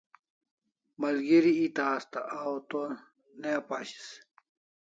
Malgeri eta asta a o to ne apashis